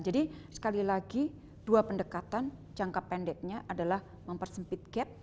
jadi sekali lagi dua pendekatan jangka pendeknya adalah mempersempit gap